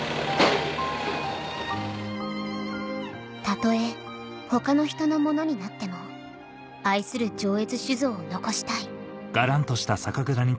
「たとえ他の人のものになっても愛する上越酒造を残したい」